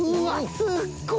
すっごい！